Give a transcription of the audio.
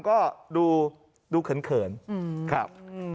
ก็ดูเขินเขินครับ